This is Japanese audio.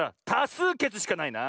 すうけつしかないな。